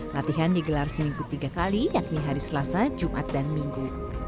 latihan digelar seminggu tiga kali yakni hari selasa jumat dan minggu